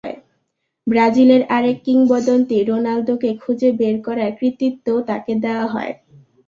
ব্রাজিলের আরেক কিংবদন্তি রোনালদোকে খুঁজে বের করার কৃতিত্বও তাঁকে দেওয়া হয়।